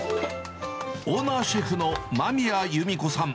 オーナーシェフの間宮ゆみ子さん。